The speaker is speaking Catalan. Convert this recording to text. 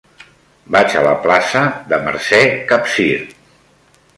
Vaig a la plaça de Mercè Capsir.